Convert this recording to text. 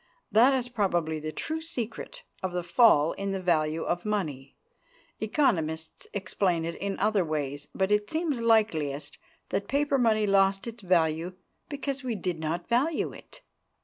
That is probably the true secret of the fall in the value of money. Economists explain it in other ways. But it seems likeliest that paper money lost its value because we did not value it.